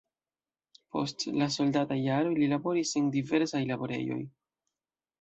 Post la soldataj jaroj li laboris en diversaj laborejoj.